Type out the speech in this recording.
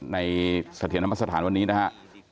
ในสถานที่นำมาสถานวันนี้นะครับ